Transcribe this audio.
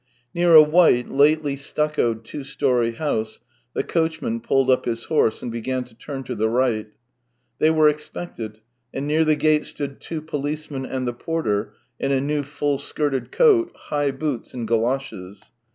Near a white, lately stuccoed two storey house I 15 226 THE TALES OF TCHEHOV the coachman pulled up his horse, and began to turn to the right. They were expected, and near the gate stood two pohcemen and the porter in a new full skirted coat, high boots, and goloshes.